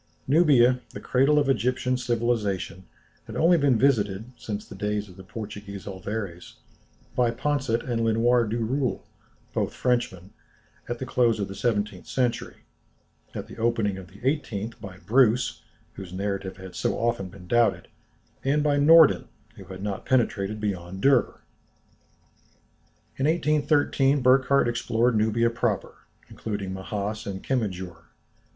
Nubia, the cradle of Egyptian civilization, had only been visited, since the days of the Portuguese Alvares, by Poncet and Lenoir Duroule, both Frenchmen, at the close of the seventeenth century, at the opening of the eighteenth by Bruce, whose narrative had so often been doubted, and by Norden, who had not penetrated beyond Derr. In 1813 Burckhardt explored Nubia proper, including Mahass and Kemijour.